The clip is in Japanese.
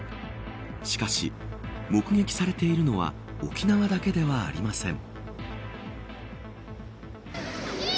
しかし、目撃されているのは沖縄だけではありません。